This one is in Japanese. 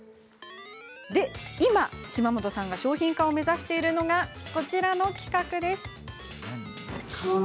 今、島本さんが商品化を目指しているのがこちらの企画。